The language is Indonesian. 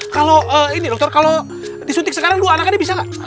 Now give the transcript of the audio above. kalau ini dokter kalau disuntik sekarang dua anak ini bisa gak